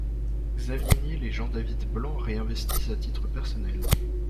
Xavier Niel et Jean-David Blanc réinvestissent à titre personnel.